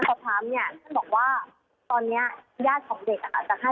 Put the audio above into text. แต่ว่าตอนนี้คือมีความเครียดมีความโรคเครียดสูงห้าหกคน